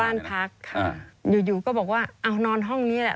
บ้านพักค่ะอยู่อยู่ก็บอกว่าเอานอนห้องนี้แหละ